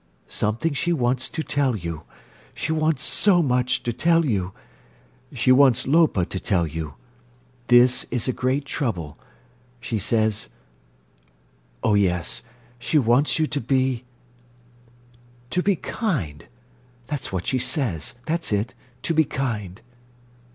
Something she wants to tell you. She wants so much to tell you. She wants Lopa to tell you. This is a great trouble. She says—oh, yes, she wants you to be—to be kind! That's what she says. That's it. To be kind."